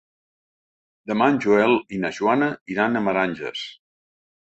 Demà en Joel i na Joana iran a Meranges.